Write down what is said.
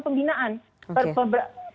kami melakukan pembinaan